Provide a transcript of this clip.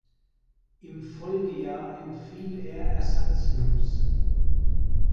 Im Folgejahr entfiel er ersatzlos.